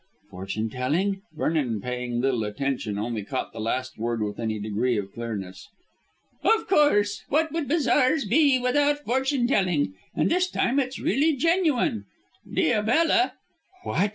"Fortune telling?" Vernon, paying little attention, only caught the last word with any degree of clearness. "Of course. What would bazaars be without fortune telling? And this time it's really genuine. Diabella " "What!"